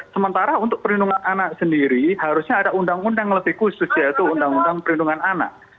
sementara untuk perlindungan anak sendiri harusnya ada undang undang lebih khusus yaitu undang undang perlindungan anak